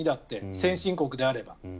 先進国であれば。